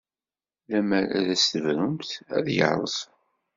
Lemmer ad as-tebrumt, ad yerẓ.